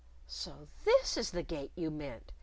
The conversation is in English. _ "So this is the Gate you meant!"